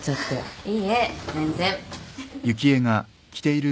いいえ全然。